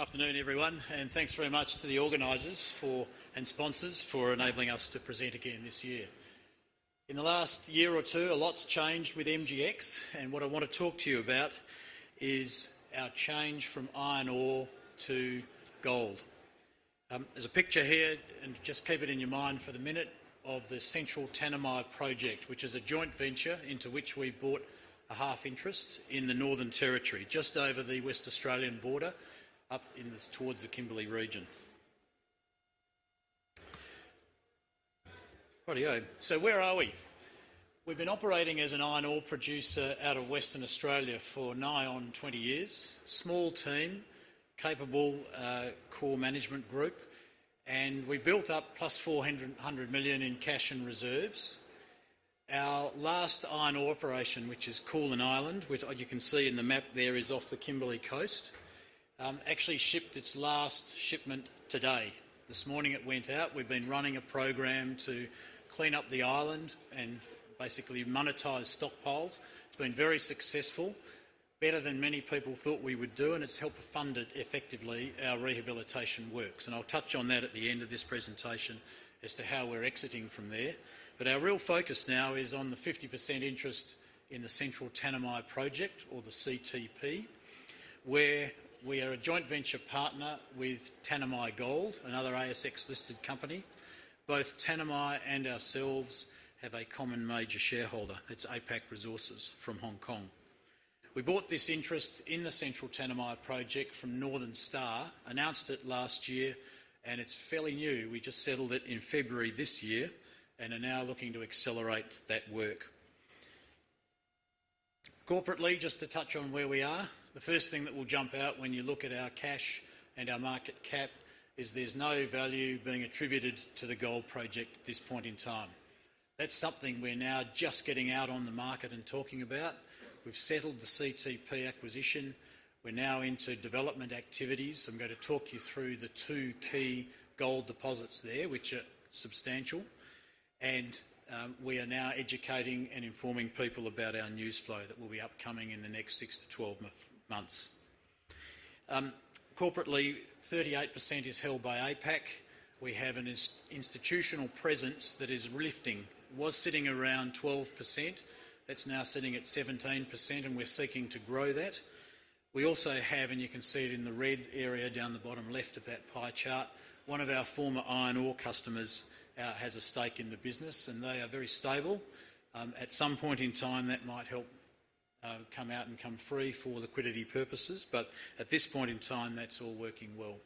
Afternoon, everyone, thanks very much to the organizers and sponsors for enabling us to present again this year. In the last year or two, a lot's changed with MGX, what I want to talk to you about is our change from iron ore to gold. There's a picture here, just keep it in your mind for the minute, of the Central Tanami Project, which is a joint venture into which we bought a half interest in the Northern Territory, just over the West Australian border up towards the Kimberley region. Where are we? We've been operating as an iron ore producer out of Western Australia for nigh on 20 years. Small team, capable core management group, we built up plus 400 million in cash and reserves. Our last iron ore operation, which is Koolan Island, which you can see in the map there is off the Kimberley coast, actually shipped its last shipment today. This morning it went out. We've been running a program to clean up the island and basically monetize stockpiles. It's been very successful, better than many people thought we would do, it's helped fund, effectively, our rehabilitation works. I'll touch on that at the end of this presentation as to how we're exiting from there. Our real focus now is on the 50% interest in the Central Tanami Project or the CTP, where we are a joint venture partner with Tanami Gold, another ASX-listed company. Both Tanami and ourselves have a common major shareholder. It's APAC Resources from Hong Kong. We bought this interest in the Central Tanami Project from Northern Star, announced it last year, it's fairly new. We just settled it in February this year and are now looking to accelerate that work. Corporately, just to touch on where we are, the first thing that will jump out when you look at our cash and our market cap is there's no value being attributed to the gold project at this point in time. That's something we're now just getting out on the market and talking about. We've settled the CTP acquisition. We're now into development activities. I'm going to talk you through the two key gold deposits there, which are substantial, we are now educating and informing people about our news flow that will be upcoming in the next 6 - 12 months. Corporately, 38% is held by APAC. We have an institutional presence that is lifting. Was sitting around 12%, that's now sitting at 17%, we're seeking to grow that. We also have, you can see it in the red area down the bottom left of that pie chart, one of our former iron ore customers has a stake in the business, they are very stable. At some point in time, that might help come out and come free for liquidity purposes. At this point in time, that's all working well.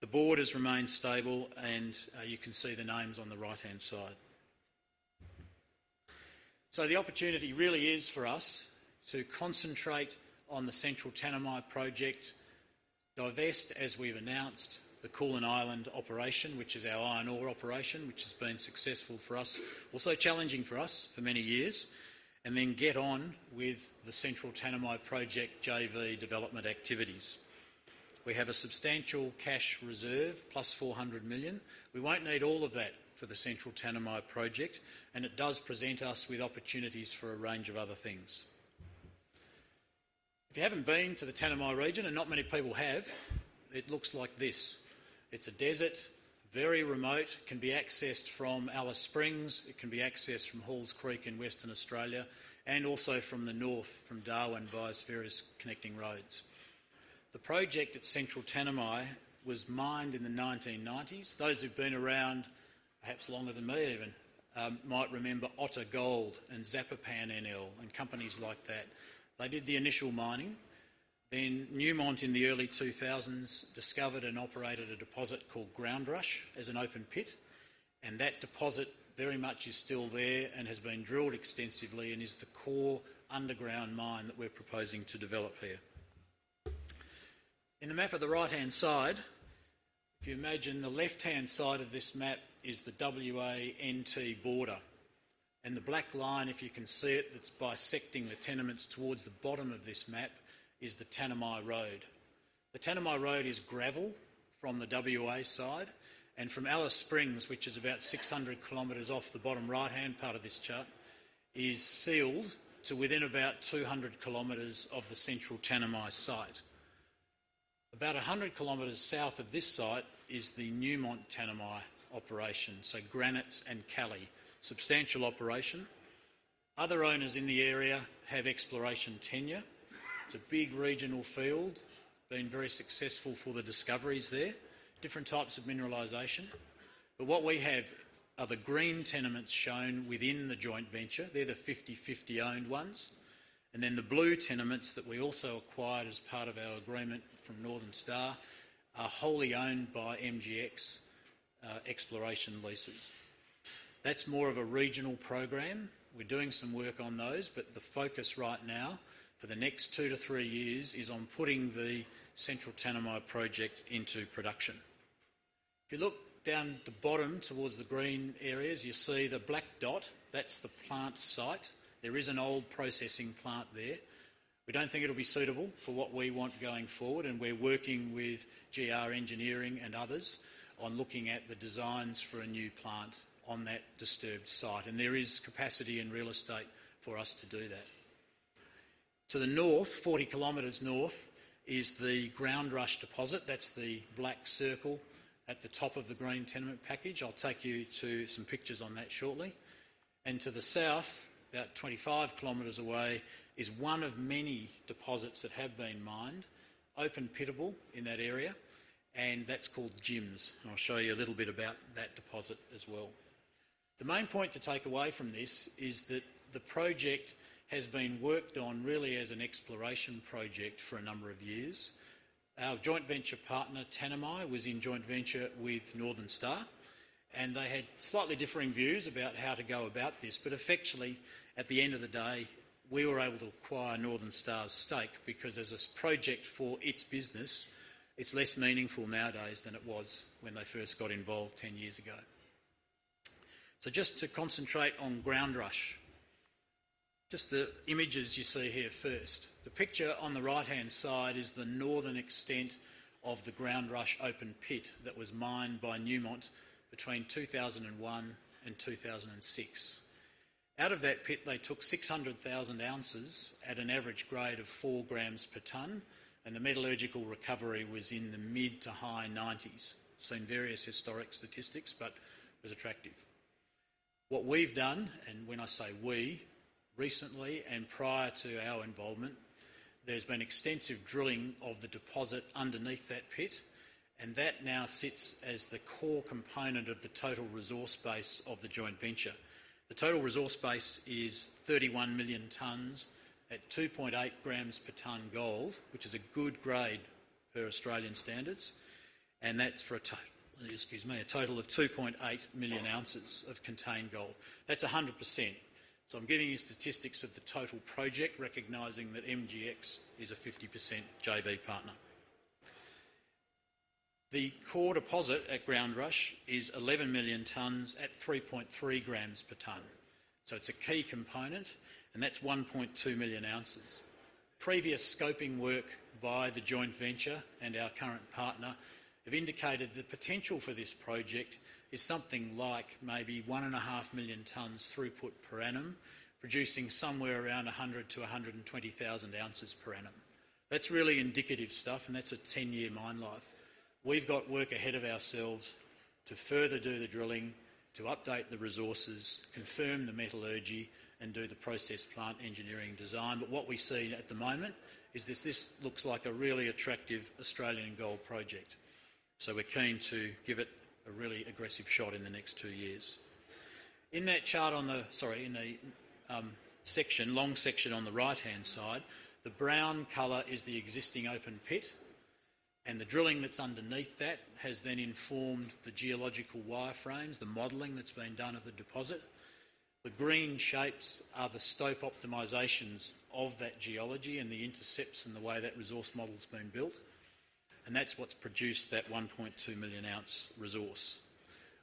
The board has remained stable, you can see the names on the right-hand side. The opportunity really is for us to concentrate on the Central Tanami Project, divest, as we've announced, the Koolan Island operation, which is our iron ore operation, which has been successful for us, also challenging for us for many years, then get on with the Central Tanami Project JV development activities. We have a substantial cash reserve, plus 400 million. We won't need all of that for the Central Tanami Project, and it does present us with opportunities for a range of other things. If you haven't been to the Tanami region, and not many people have, it looks like this. It's a desert, very remote, can be accessed from Alice Springs, it can be accessed from Halls Creek in Western Australia, and also from the north, from Darwin via various connecting roads. The project at Central Tanami was mined in the 1990s. Those who've been around perhaps longer than me even, might remember Otter Gold and Zapopan NL and companies like that. They did the initial mining. Then Newmont in the early 2000s discovered and operated a deposit called Groundrush as an open pit, and that deposit very much is still there and has been drilled extensively and is the core underground mine that we're proposing to develop here. In the map at the right-hand side, if you imagine the left-hand side of this map is the WA NT border. The black line, if you can see it, that's bisecting the tenements towards the bottom of this map is the Tanami Road. The Tanami Road is gravel from the WA side and from Alice Springs, which is about 600 km off the bottom right-hand part of this chart, is sealed to within about 200 km of the Central Tanami site. About 100 km south of this site is the Newmont Tanami operation, so Granites and Callie. Substantial operation. Other owners in the area have exploration tenure. It's a big regional field, been very successful for the discoveries there. Different types of mineralization. What we have are the green tenements shown within the joint venture. They're the 50/50 owned ones. The blue tenements that we also acquired as part of our agreement from Northern Star are wholly owned by MGX exploration leases. That's more of a regional program. We're doing some work on those, but the focus right now for the next two - three years is on putting the Central Tanami Project into production. If you look down at the bottom towards the green areas, you see the black dot. That's the plant site. There is an old processing plant there. We don't think it'll be suitable for what we want going forward. We're working with GR Engineering and others on looking at the designs for a new plant on that disturbed site. There is capacity and real estate for us to do that. To the north, 40 km north, is the Groundrush deposit. That's the black circle at the top of the green tenement package. I'll take you to some pictures on that shortly. To the south, about 25 km away, is one of many deposits that have been mined, open pitable in that area, and that's called Jims. I'll show you a little bit about that deposit as well. The main point to take away from this is that the project has been worked on really as an exploration project for a number of years. Our joint venture partner, Tanami, was in joint venture with Northern Star, and they had slightly differing views about how to go about this. Effectually, at the end of the day, we were able to acquire Northern Star's stake because as a project for its business, it's less meaningful nowadays than it was when they first got involved 10 years ago. Just to concentrate on Groundrush, just the images you see here first. The picture on the right-hand side is the northern extent of the Groundrush open pit that was mined by Newmont between 2001 and 2006. Out of that pit, they took 600,000 ounces at an average grade of four grams per tonne, and the metallurgical recovery was in the mid to high 90s. Seen various historic statistics, it was attractive. What we've done, and when I say we, recently and prior to our involvement, there's been extensive drilling of the deposit underneath that pit, and that now sits as the core component of the total resource base of the joint venture. The total resource base is 31 million tonnes at 2.8 grams per tonne gold, which is a good grade per Australian standards, and that's for a total of 2.8 million ounces of contained gold. That's 100%. I'm giving you statistics of the total project, recognizing that MGX is a 50% JV partner. The core deposit at Groundrush is 11 million tonnes at 3.3 grams per tonne. It's a key component, and that's 1.2 million ounces. Previous scoping work by the joint venture and our current partner have indicated the potential for this project is something like maybe 1.5 million tonnes throughput per annum, producing somewhere around 100,000-120,000 ounces per annum. That's really indicative stuff, and that's a 10-year mine life. We've got work ahead of ourselves to further do the drilling, to update the resources, confirm the metallurgy, and do the process plant engineering design. What we see at the moment is this looks like a really attractive Australian gold project. We're keen to give it a really aggressive shot in the next two years. In that long section on the right-hand side, the brown color is the existing open pit, and the drilling that's underneath that has then informed the geological wireframes, the modeling that's been done of the deposit. The green shapes are the stope optimizations of that geology and the intercepts and the way that resource model's been built, and that's what's produced that 1.2 million ounce resource.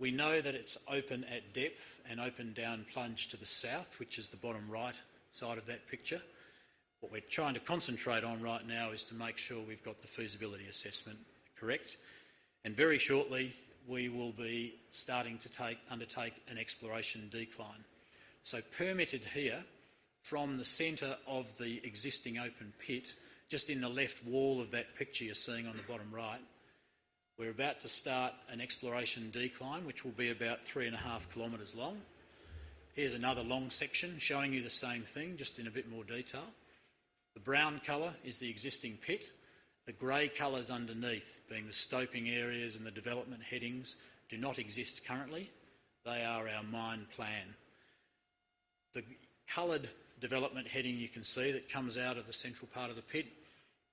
We know that it's open at depth and open down plunge to the south, which is the bottom right side of that picture. What we're trying to concentrate on right now is to make sure we've got the feasibility assessment correct, and very shortly we will be starting to undertake an exploration decline. Permitted here from the center of the existing open pit, just in the left wall of that picture you're seeing on the bottom right, we're about to start an exploration decline, which will be about 3.5 km long. Here's another long section showing you the same thing, just in a bit more detail. The brown color is the existing pit. The gray colors underneath, being the stoping areas and the development headings, do not exist currently. They are our mine plan. The colored development heading you can see that comes out of the central part of the pit,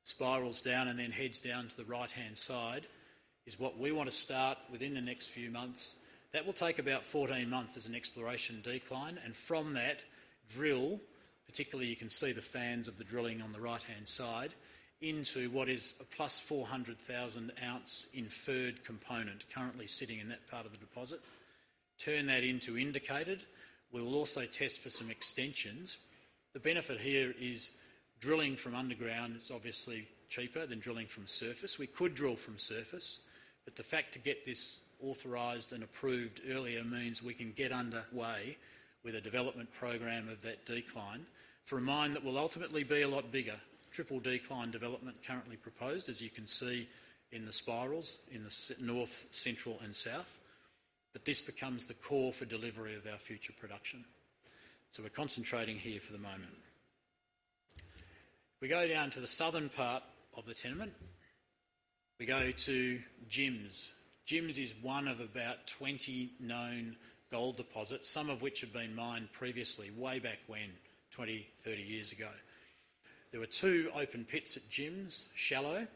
spirals down, and then heads down to the right-hand side is what we want to start within the next few months. That will take about 14 months as an exploration decline, and from that drill, particularly you can see the fans of the drilling on the right-hand side, into what is a +400,000 ounce inferred component currently sitting in that part of the deposit. Turn that into indicated. We will also test for some extensions. The benefit here is drilling from underground is obviously cheaper than drilling from surface. We could drill from surface, the fact to get this authorized and approved earlier means we can get underway with a development program of that decline for a mine that will ultimately be a lot bigger. Triple decline development currently proposed, as you can see in the spirals in the north, central, and south. This becomes the core for delivery of our future production. We're concentrating here for the moment. We go down to the southern part of the tenement. We go to Jims. Jims is one of about 20 known gold deposits, some of which have been mined previously, way back when, 20, 30 years ago. There were two open pits at Jims, shallow,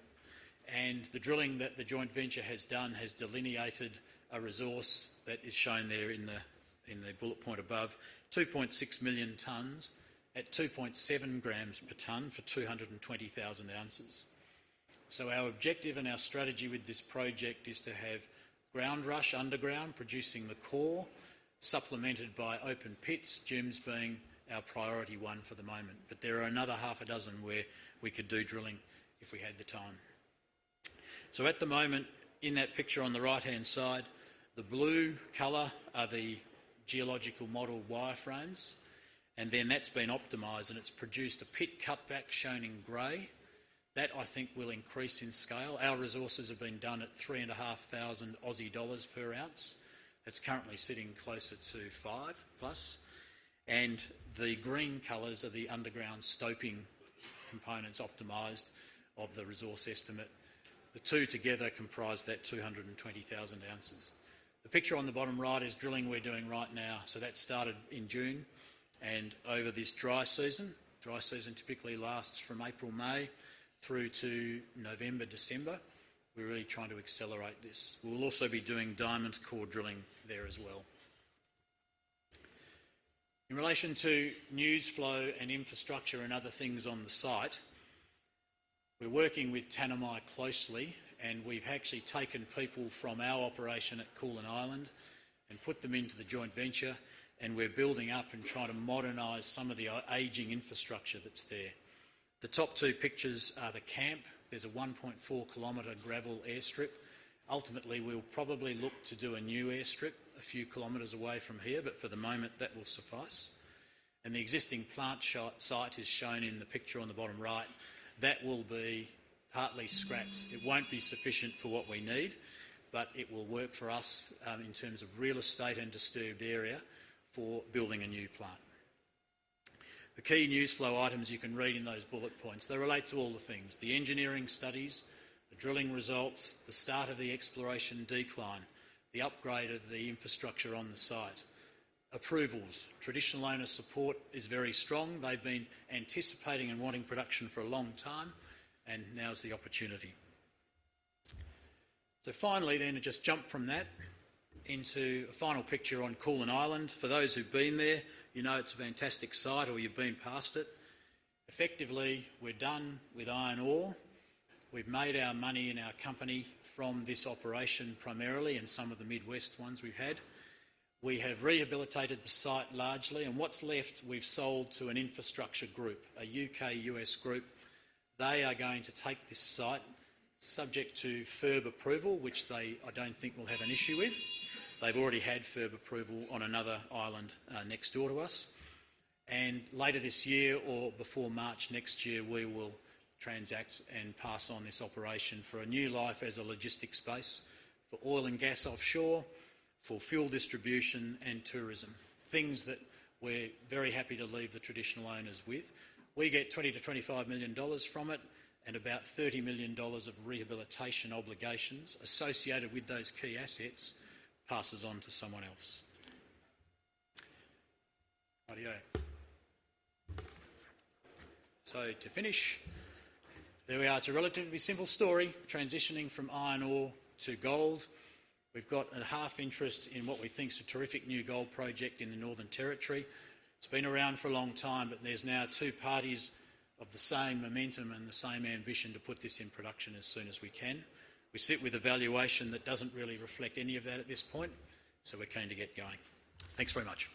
the drilling that the joint venture has done has delineated a resource that is shown there in the bullet point above, 2.6 million tonnes at 2.7 grams per tonne for 220,000 ounces. Our objective and our strategy with this project is to have Groundrush underground producing the core, supplemented by open pits, Jims being our priority one for the moment. There are another half a dozen where we could do drilling if we had the time. At the moment, in that picture on the right-hand side, the blue color are the geological model wireframes, and then that's been optimized and it's produced a pit cutback shown in gray. That, I think, will increase in scale. Our resources have been done at 3,500 Aussie dollars per ounce. It's currently sitting closer to five-plus. The green colors are the underground stoping components optimized of the resource estimate. The two together comprise that 220,000 ounces. The picture on the bottom right is drilling we're doing right now. That started in June and over this dry season. Dry season typically lasts from April, May through to November, December. We're really trying to accelerate this. We will also be doing diamond core drilling there as well. In relation to news flow and infrastructure and other things on the site, we're working with Tanami closely, and we've actually taken people from our operation at Koolan Island and put them into the joint venture, and we're building up and trying to modernize some of the aging infrastructure that's there. The top two pictures are the camp. There's a 1.4-km gravel airstrip. Ultimately, we'll probably look to do a new airstrip a few kilometers away from here, but for the moment, that will suffice. The existing plant site is shown in the picture on the bottom right. That will be partly scrapped. It won't be sufficient for what we need, but it will work for us in terms of real estate and disturbed area for building a new plant. The key news flow items you can read in those bullet points. They relate to all the things, the engineering studies, the drilling results, the start of the exploration decline, the upgrade of the infrastructure on the site. Approvals. Traditional owner support is very strong. They've been anticipating and wanting production for a long time, and now's the opportunity. Finally then, to just jump from that into a final picture on Koolan Island. For those who've been there, you know it's a fantastic site or you've been past it. Effectively, we're done with iron ore. We've made our money and our company from this operation primarily and some of the Midwest ones we've had. We have rehabilitated the site largely, and what's left we've sold to an infrastructure group, a U.K./U.S. group. They are going to take this site subject to FIRB approval, which they, I don't think will have an issue with. They've already had FIRB approval on another island next door to us. Later this year or before March next year, we will transact and pass on this operation for a new life as a logistics base for oil and gas offshore, for fuel distribution and tourism, things that we're very happy to leave the traditional owners with. We get 20 million-25 million dollars from it, and about 30 million dollars of rehabilitation obligations associated with those key assets passes on to someone else. Righty-o. To finish, there we are. It's a relatively simple story, transitioning from iron ore to gold. We've got a half interest in what we think is a terrific new gold project in the Northern Territory. It's been around for a long time, but there's now two parties of the same momentum and the same ambition to put this in production as soon as we can. We sit with a valuation that doesn't really reflect any of that at this point, so we're keen to get going. Thanks very much